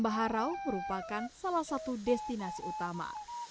dan baharau merupakan salah satu destinasi utama